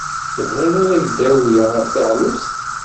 Tebɣid ad ak-d-awyeɣ taɣlust?